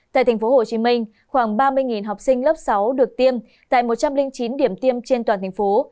tại tp hcm khoảng ba mươi học sinh lớp sáu được tiêm tại một trăm linh chín điểm tiêm trên toàn thành phố